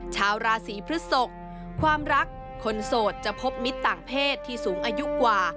ชาวราศีพฤศกความรักคนโสดจะพบมิตรต่างเพศที่สูงอายุกว่า